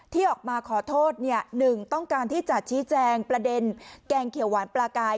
ที่ออกมาขอโทษหนึ่งต้องการที่จะชี้แจงประเด็นแกงเขียวหวานปลากาย